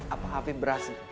apa afif berhasil